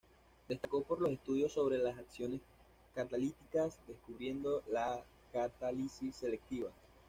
Destacó por los estudios sobre las acciones catalíticas, descubriendo la catálisis selectiva.